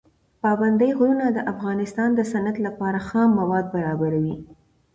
پابندي غرونه د افغانستان د صنعت لپاره خام مواد برابروي.